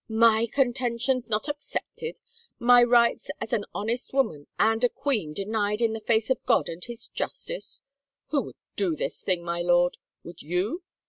" My contentions not accepted ? My rights as an hon est woman and a queen denied in the face of God and His Justice? Who would do this thing, my lord? Would you